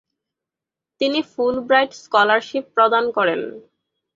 তিনি Fulbright scholarship প্রদান করেন।